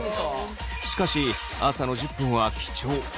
しかし朝の１０分は貴重。